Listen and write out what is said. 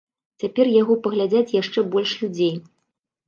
Цяпер яго паглядзіць яшчэ больш людзей.